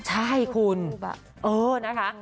ใช่คุณเออนะคะ